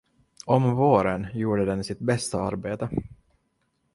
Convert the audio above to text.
Om våren gjorde den sitt bästa arbete.